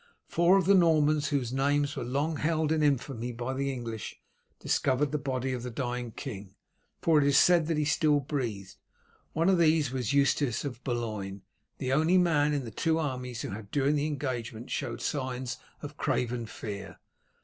Four of the Normans whose names were long held in infamy by the English discovered the body of the dying king, for it is said that he still breathed. One of these was Eustace of Boulogne, the only man in the two armies who had during the engagement shown signs of craven fear.